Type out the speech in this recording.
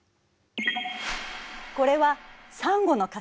これはサンゴの化石。